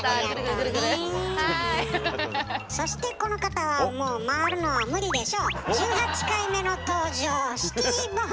そしてこの方はもう回るのは無理でしょう。